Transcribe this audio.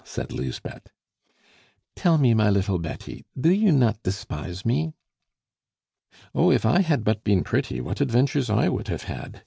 said Lisbeth. "Tell me, my little Betty, do you not despise me?" "Oh! if I had but been pretty, what adventures I would have had!"